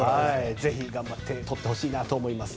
ぜひ頑張って取ってほしいなと思います。